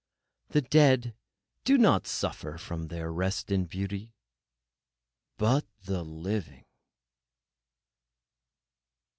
The dead do not suffer from their rest in beauty. But the living—